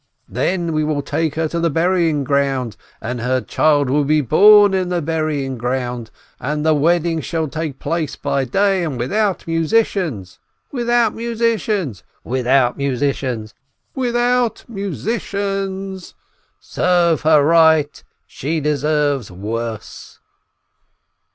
Then we will take her to the burial ground, and the child shall be born in the burial ground. The wedding shall take place by day, and without musicians. —" "Without musicians !" "Without musicians !" "Without musicians !" "Serve her right !" "She deserves worse